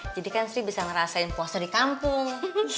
jadi kan sri bisa ngerasain puasa di kampung